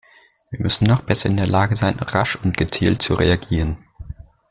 Wir müssen noch besser in der Lage sein, rasch und gezielt zu reagieren.